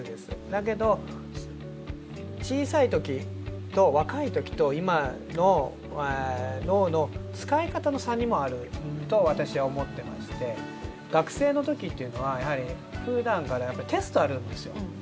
だけど小さい時、若い時と今の脳の使い方の差にもあると私は思ってまして学生の時というのはやはり普段からテストがあるんですよ。